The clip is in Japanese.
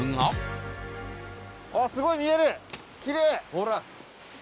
ほら。